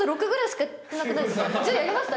１０やりました？